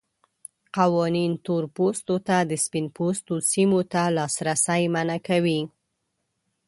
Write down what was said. قوانین تور پوستو ته د سپین پوستو سیمو ته لاسرسی منع کوي.